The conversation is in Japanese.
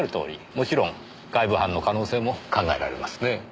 もちろん外部犯の可能性も考えられますねえ。